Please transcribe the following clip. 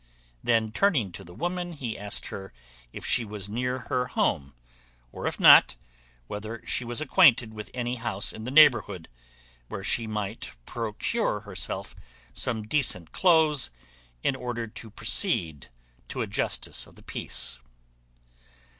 Then turning to the woman, he asked her, if she was near her home; or if not, whether she was acquainted with any house in the neighbourhood, where she might procure herself some decent cloaths, in order to proceed to a justice of the peace.